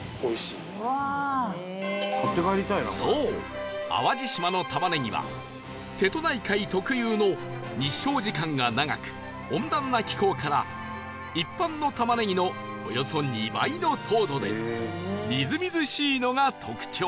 そう淡路島の玉ねぎは瀬戸内海特有の日照時間が長く温暖な気候から一般の玉ねぎのおよそ２倍の糖度でみずみずしいのが特徴